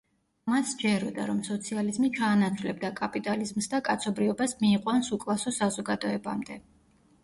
მას სჯეროდა რომ სოციალიზმი ჩაანაცვლებდა კაპიტალიზმს და კაცობრიობას მიიყვანს უკლასო საზოგადოებამდე.